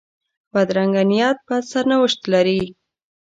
بدرنګه نیت بد سرنوشت لري